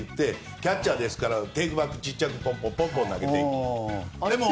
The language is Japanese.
野手投げと言ってキャッチャーですからテイクバックを小さくポンポン投げていく。